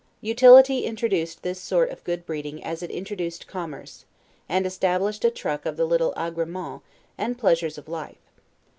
Utility introduced this sort of good breeding as it introduced commerce; and established a truck of the little 'agremens' and pleasures of life.